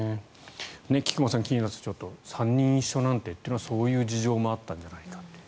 菊間さん、３人一緒なんてというのはそういう事情もあったんじゃないかという。